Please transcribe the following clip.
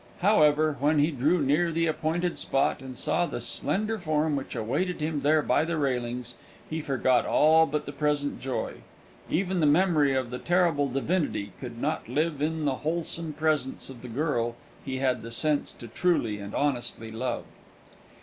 However, when he drew near the appointed spot, and saw the slender form which awaited him there by the railings, he forgot all but the present joy. Even the memory of the terrible divinity could not live in the wholesome presence of the girl he had the sense to truly and honestly love.